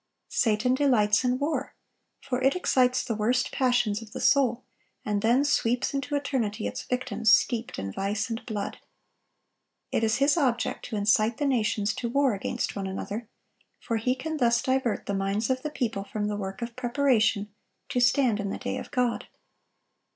Satan delights in war; for it excites the worst passions of the soul, and then sweeps into eternity its victims steeped in vice and blood. It is his object to incite the nations to war against one another; for he can thus divert the minds of the people from the work of preparation to stand in the day of God.